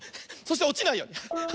そしておちないように。